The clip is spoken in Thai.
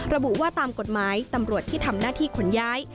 ระบุว่าตามกฎหมายตำรวจที่ทำหน้าที่ขนย้าย